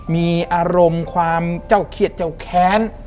มีอารมณ์ความเจ้าเขียดเจ้าแค้น